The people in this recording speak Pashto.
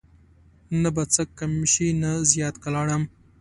نه به څه کم شي نه زیات که لاړم